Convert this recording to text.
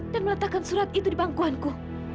dan meletakkan surat itu di bangkuanku